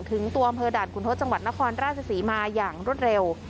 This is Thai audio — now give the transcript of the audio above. ถึงตัวอำเภอด่านคุณทศจังหวัดนครราชศรีมาอย่างรวดเร็ว